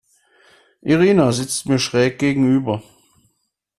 Irina sitzt mir schräg gegenüber.